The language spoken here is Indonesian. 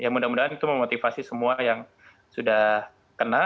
mudah mudahan itu memotivasi semua yang sudah kena